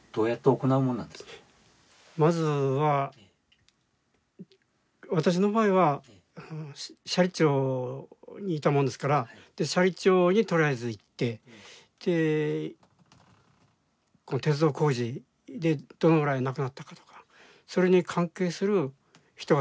まずは私の場合は斜里町にいたもんですから斜里町にとりあえず行って鉄道工事でどのぐらい亡くなったかとかそれに関係する人がたはいないかとか。